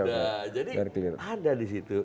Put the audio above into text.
jadi ada di situ